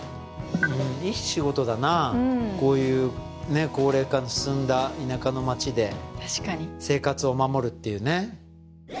いい仕事だなうんこういうね高齢化の進んだ田舎の町で確かに生活を守るっていうね